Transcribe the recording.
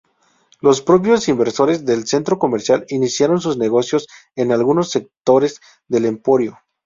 Los propios inversores del centro comercial iniciaron sus negocios en algunos sectores del Emporio.